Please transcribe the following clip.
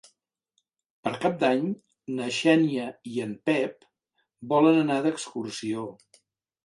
Per Cap d'Any na Xènia i en Pep volen anar d'excursió.